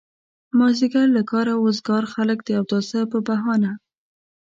مازيګر له کاره وزګار خلک د اوداسه په بهانه.